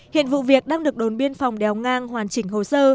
hiện vụ việc đang được đồn biên phòng đèo ngang hoàn chỉnh hồ sơ